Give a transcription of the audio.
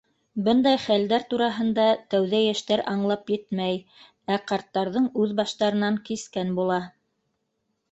Бындай хәлдәр тураһында тәүҙә йәштәр аңлап етмәй, ә ҡарттарҙың үҙ баштарынан кискән була.